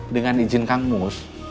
dengan izin kang mus